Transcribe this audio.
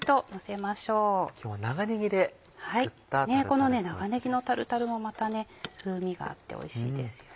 この長ねぎのタルタルも風味があっておいしいですよ。